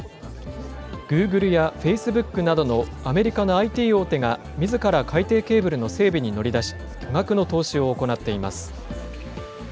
グーグルやフェイスブックなどのアメリカのＩＴ大手がみずから海底ケーブルの整備に乗り出し、巨額の投資を行っています。